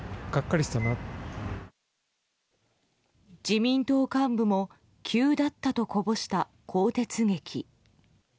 自民党幹部も急だったとこぼした更迭劇。